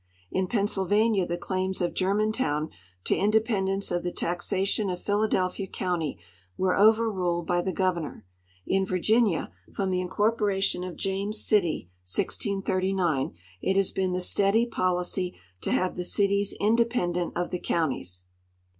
In Pennsylvania the claims of GermantoAvn to independence ot the taxation of Philadelphia county Avere over ruled b}'^ the governor. In Virginia, from the incorporation of James City (1639), it has been the steady policy to have the cities independent of the counties.